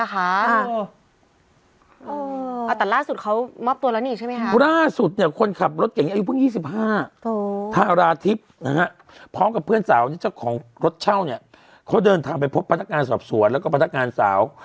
แห้งห้อง๒๕ธาราทิพธ์พร้อมกับเพื่อนสาวตกรรดเช่าเขาเดินทางพบพนักงานสอบสวนและก็พนักงานสาว